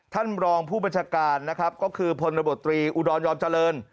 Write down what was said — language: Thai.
ท่านรองผู้บัญชาการนะครับก็คือพลบตรีอุดรยอมเจริญ